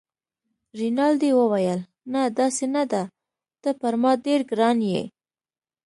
رینالډي وویل: نه، داسې نه ده، ته پر ما ډېر ګران يې.